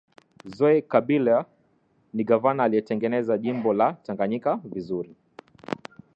Zoe Kabila ni gavana aliye tengeneza jimbo la tanganyika vizuri